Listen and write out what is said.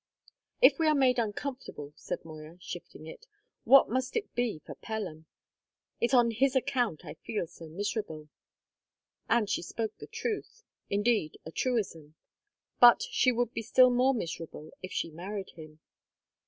"If we are made uncomfortable," said Moya, shifting it, "what must it be for Pelham! It's on his account I feel so miserable." And she spoke the truth; indeed, a truism; but she would be still more miserable if she married him.